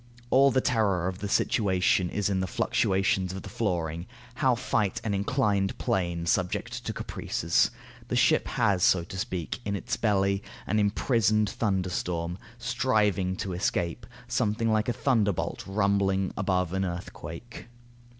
All the terror of the situation is in the fluctuations of the flooring. How fight an inclined plane subject to caprices? The ship has, so to speak, in its belly, an imprisoned thunderstorm, striving to escape; something like a thunderbolt rumbling above an earthquake.